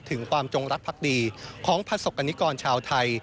ถึงความจงรักภักดีของประสบกรณิกรชาวไทย